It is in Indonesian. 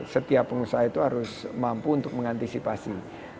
setiap pengusaha itu harus mampu untuk mengantisipasi